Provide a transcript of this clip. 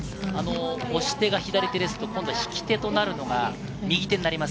押し手が左手ですと、引き手となるのが右手になります。